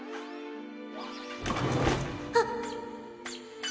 あっ！